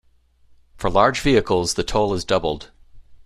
For large vehicles, the toll is doubled.